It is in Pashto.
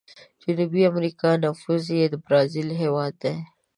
جنوبي امريکا نفوس یې د برازیل هیواد دی.